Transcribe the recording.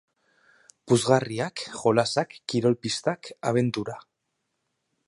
Puzgarriak, jolasak, kirol pistak, abentura.